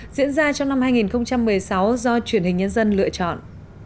diễn ra trong năm hai nghìn một mươi sáu do truyền hình nhân dân lựa chọn